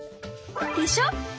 でしょ！